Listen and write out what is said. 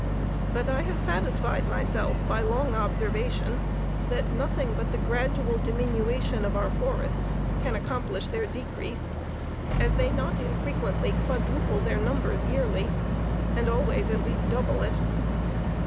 But I have satisfied myself, by long observation, that nothing but the gradual diminution of our forests can accomplish their decrease, as they not infrequently quadruple their numbers yearly, and always at least double it.